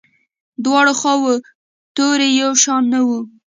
دواړو خواوو توري یو شان نه وو.